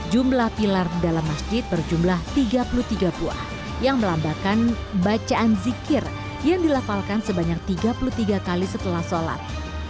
jumlah pilar dalam masjid berjumlah tiga puluh tiga buah yang melambakan bacaan zikir yang dilapalkan sebanyak tiga puluh tiga kali setelah sholat